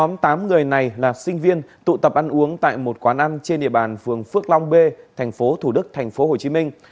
nhóm tám người này là sinh viên tụ tập ăn uống tại một quán ăn trên địa bàn phường phước long b thành phố thủ đức thành phố hồ chí minh